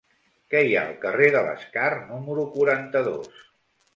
Què hi ha al carrer de l'Escar número quaranta-dos?